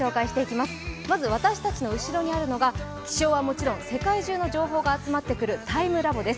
まず私たちの後ろにあるのが気象はもちろん世界中の情報が集まってくる「ＴＩＭＥ，ＬＡＢＯ」です。